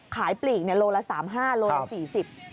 ขายปลีกโลละ๓๕โลละ๔๐